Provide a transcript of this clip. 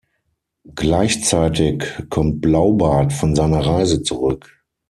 Gleichzeitig kommt Blaubart von seiner Reise zurück.